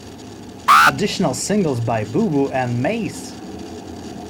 Additional singles by Boo Boo and Mace!